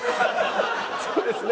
そうですね。